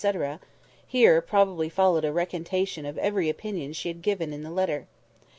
—(here probably followed a recantation of every opinion she had given in the letter).